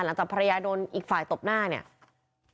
หลังจากภรรยาโดนอีกฝ่ายตบหน้าเนี่ย